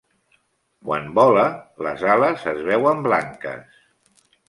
Quan vola les ales es veuen blanques.